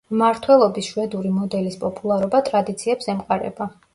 მმართველობის შვედური მოდელის პოპულარობა ტრადიციებს ემყარება.